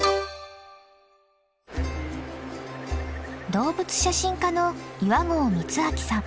動物写真家の岩合光昭さん。